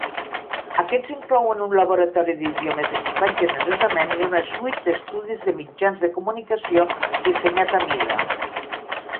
Aquests inclouen un laboratori d'idiomes equipat generosament i una suite d'estudis de mitjans de comunicació dissenyat a mida.